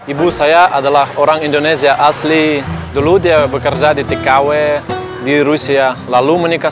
ibu saya adalah orang indonesia asli dulu dia bekerja di tkw di rusia lalu menikah